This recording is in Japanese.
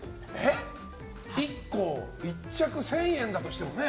１着１０００円だとしてもね。